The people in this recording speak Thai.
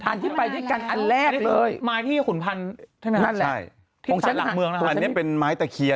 อันที่ไปด้วยกันอันแรกเลย